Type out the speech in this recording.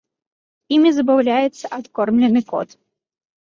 Імі забаўляецца адкормлены кот.